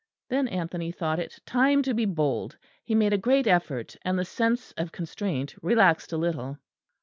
Then Anthony thought it time to be bold. He made a great effort, and the sense of constraint relaxed a little.